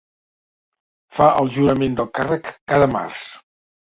Fa el jurament del càrrec cada març.